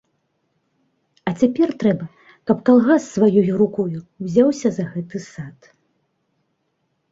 А цяпер трэба, каб калгас сваёю рукою ўзяўся за гэты сад.